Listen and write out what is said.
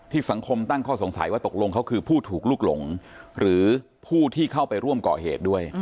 สังคมตั้งข้อสงสัยว่าตกลงเขาคือผู้ถูกลุกหลงหรือผู้ที่เข้าไปร่วมก่อเหตุด้วย